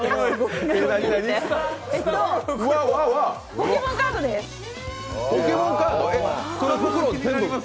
ポケモンカードです。